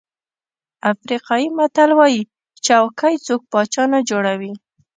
افریقایي متل وایي چوکۍ څوک پاچا نه جوړوي.